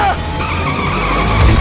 udah mau lampu merah pa